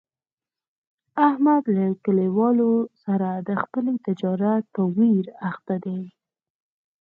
احمد له کلیوالو سره د خپل تجارت په ویر اخته دی.